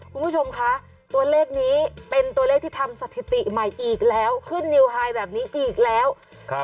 คุณผู้ชมคะตัวเลขนี้เป็นตัวเลขที่ทำสถิติใหม่อีกแล้วขึ้นนิวไฮแบบนี้อีกแล้วครับ